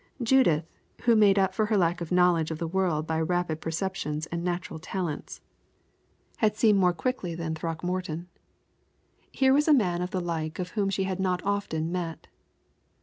Judith, who made up for her lack of knowledge of the world by rapid perceptions and natural talents, had seen more quickly than Throckmorton. Here was a man the like of whom she had not often met.